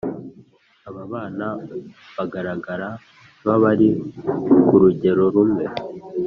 Aba bana bagaragara nk’abari ku rugero rumwe